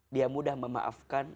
dia mudah memaafkan